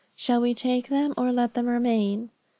Shall we take them or let them remain?'